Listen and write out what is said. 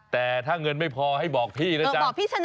แต่ถ้าเงินไม่พอให้บอกพี่นะจ๊ะ